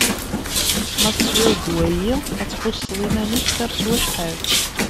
Ma teswiḍ ddwa-yi, ad tḥusseḍ iman-ik xir s wacḥal.